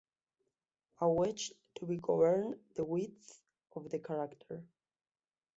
A wedge to govern the width of the character.